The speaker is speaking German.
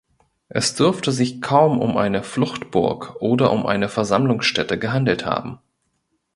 Es dürfte sich kaum um eine Fluchtburg oder um eine Versammlungsstätte gehandelt haben.